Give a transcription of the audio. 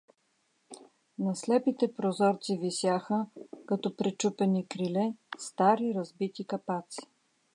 На слепите прозорци висяха, като пречупени криле, стари разбити капаци.